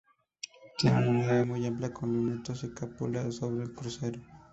Tiene una nave muy amplia con lunetos y cúpula sobre el crucero.